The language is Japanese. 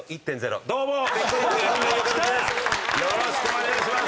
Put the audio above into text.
よろしくお願いします！